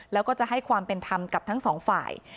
แล้วก็จะให้ความเป็นธรรมกับทั้งสองฝ่าย